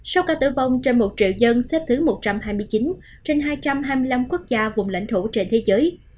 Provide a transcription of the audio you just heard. số ca tử vong trên một triệu dân xếp thứ một trăm hai mươi chín trên hai trăm hai mươi năm quốc gia vùng lãnh thổ trên thế giới